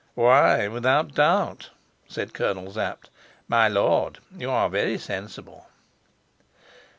"Why, without doubt," said Colonel Sapt. "My lord, you are very sensible."